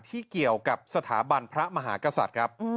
ที่เกี่ยวกับสถาบันพระมหากษัตริย์ครับ